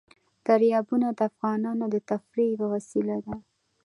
دریابونه د افغانانو د تفریح یوه وسیله ده.